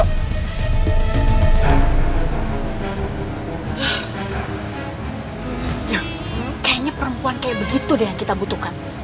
kayaknya perempuan kayak begitu deh yang kita butuhkan